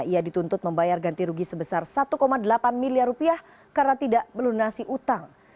ia dituntut membayar ganti rugi sebesar satu delapan miliar rupiah karena tidak melunasi utang